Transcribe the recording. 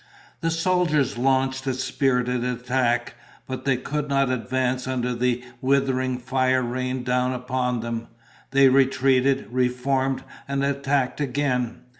The soldiers launched a spirited attack, but they could not advance under the withering fire rained down upon them. They retreated, re formed, and attacked again.